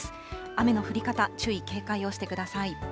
雨の降り方、注意、警戒をしてください。